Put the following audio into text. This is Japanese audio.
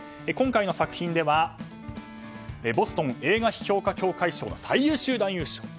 今回の作品ではボストン映画批評家協会賞の最優秀男優賞。